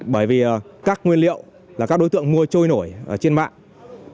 bởi vì các nguyên liệu là các đối tượng mua trôi nổi trên mạng